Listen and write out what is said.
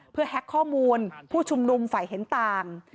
เพื่อแฮ็กข้อมูลผู้ชุมนุมฝ่ายเห็นต่าง